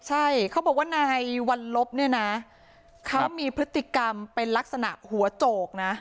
ใช่เขาบอกว่านายวัลลบเนี่ยนะเขามีพฤติกรรมเป็นลักษณะหัวโจกนะ